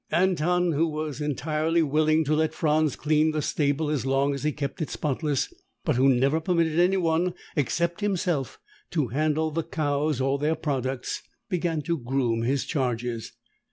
Anton, who was entirely willing to let Franz clean the stable as long as he kept it spotless, but who never permitted anyone except himself to handle the cows or their products, began to groom his charges.